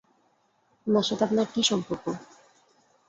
উনার সাথে আপনার কী সম্পর্ক?